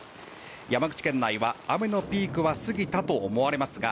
山口県内は、雨のピークは過ぎたと思われますが